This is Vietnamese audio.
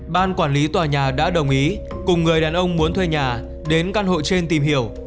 ban quản lý tòa nhà đã đồng ý cùng người đàn ông muốn thuê nhà đến căn hộ trên tìm hiểu